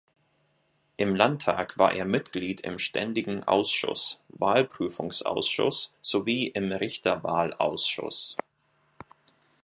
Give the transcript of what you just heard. Im Landtag war er Mitglied im Ständigen Ausschuss, Wahlprüfungsausschuss, sowie im Richterwahlausschuss.